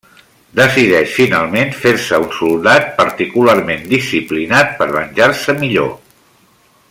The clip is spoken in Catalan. Decideix finalment fer-se un soldat particularment disciplinat per venjar-se millor.